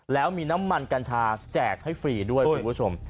แล้วมีน้ำมันกัญชาแจกให้ฟรีด้วยคุณผู้ชม